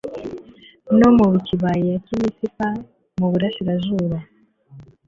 no mu kibaya cy'i misipa mu burasirazuba